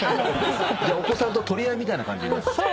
お子さんと取り合いみたいな感じ？